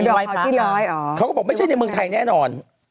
ลอยมาที่ร้อยเหรอเขาก็บอกไม่ใช่ในเมืองไทยแน่นอน